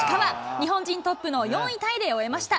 日本人トップの４位タイで終えました。